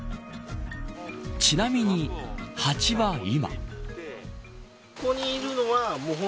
ちなみに、蜂は今。